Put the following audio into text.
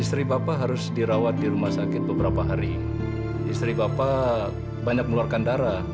istri bapak harus dirawat di rumah sakit beberapa hari istri bapak banyak mengeluarkan darah